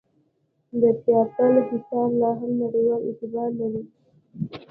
د پیپال حساب لاهم نړیوال اعتبار لري.